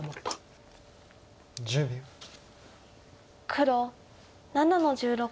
黒７の十六。